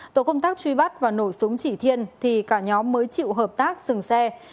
tổ công tác truy bắt và nổ súng chỉ thiên thì cả nhóm mới chịu hợp tác dừng xe